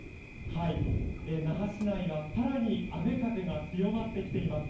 那覇市内は更に雨風が強まってきています。